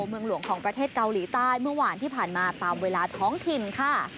เมืองหลวงของประเทศเกาหลีใต้เมื่อวานที่ผ่านมาตามเวลาท้องถิ่นค่ะ